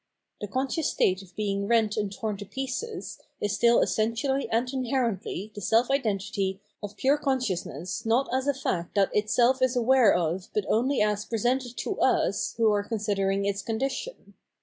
The conscious state of being rent and torn to pieces is still essentially and inherently the self identity of pure consciousness not as a fact that itsdf is aware of but only as presented to us who are considering its condition.